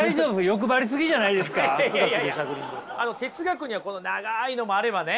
哲学には長いのもあればね